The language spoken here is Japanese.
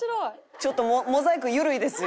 ちょっとモザイク緩いですよ